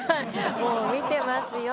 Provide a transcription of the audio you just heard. もう見てますよ。